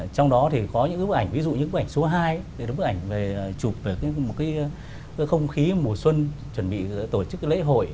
trong đó thì có những bức ảnh ví dụ những bức ảnh số hai bức ảnh về chụp về một không khí mùa xuân chuẩn bị tổ chức lễ hội